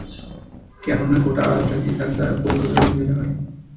কেননা, গোটা আরব জাতি তার দ্বারা গৌরবের অধিকারী হয়।